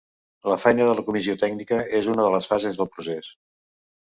La feina de la comissió tècnica és una de les fases del procés.